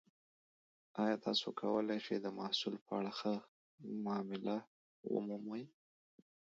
ایا تاسو کولی شئ د محصول په اړه ښه معامله ومومئ؟